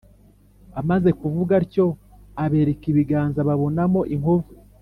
Amaze kuvuga atyo abereka ibiganza babonamo inkovu